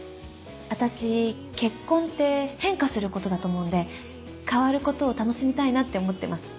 私結婚って変化することだと思うんで変わることを楽しみたいなって思ってます。